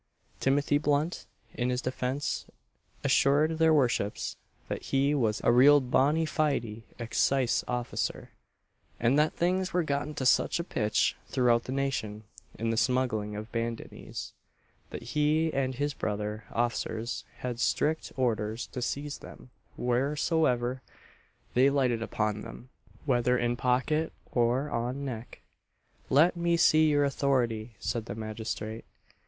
Timothy Blunt, in his defence, assured their worships that he was "a real bony fidy excise officer; and that things were gotten to sich a pitch throughout the nation in the smuggling of bandannies, that he and his brother off'sirs had strict orders to seize them wheresoever they lighted upon them whether in pocket or on neck." "Let me see your authority," said the magistrate.